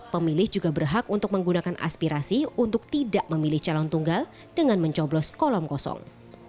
pemilih juga berhak untuk menggunakan aspirasi untuk tidak memilih calon tunggal dengan mencoblos kolom kosong